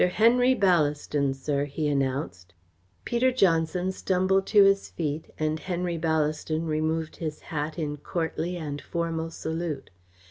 Henry Ballaston, sir," he announced. Peter Johnson stumbled to his feet and Henry Ballaston removed his hat in courtly and formal salute.